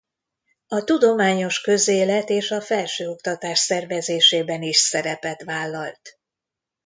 A tudományos közélet és a felsőoktatás szervezésében is szerepet vállalt.